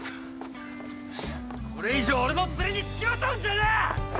これ以上俺のツレに付きまとうんじゃねえ！